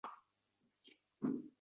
Siz emasmi bizlarni